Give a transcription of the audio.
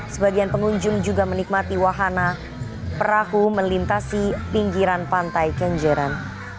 sebagian pengunjung juga menikmati wahana perahu melintasi pinggiran pantai kenjeran